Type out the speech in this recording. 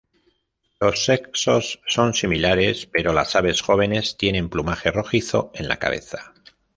Los sexos son similares, pero las aves jóvenes tienen plumaje rojizo en la cabeza.